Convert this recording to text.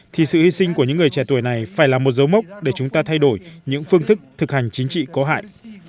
thì sự hy sinh của những người trẻ tuổi này phải là một dấu mốc để chúng ta thay đổi những phương thức thực hành chính trị có hại